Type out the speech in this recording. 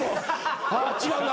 「あ違うな」